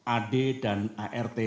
ad dan art